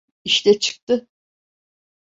İşte çıktı.